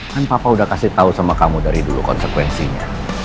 kan papa udah kasih tau sama kamu dari dulu konsekuensinya